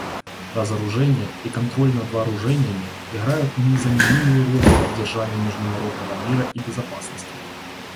Разоружение и контроль над вооружениями играют незаменимую роль в поддержании международного мира и безопасности.